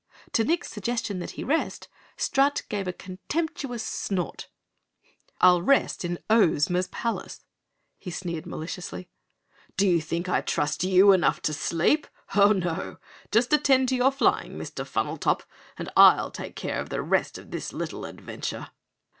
To Nick's suggestion that he rest, Strut gave a contemptuous snort. "I'll rest in Ohsma's palace," he sneered maliciously. "D'ye think I trust you enough to sleep? Ho no! Just attend to your flying, Mr. Funnel Top, and I'll take care of the rest of this little adventure."